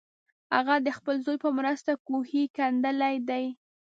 هغه د خپل زوی په مرسته کوهی کیندلی دی.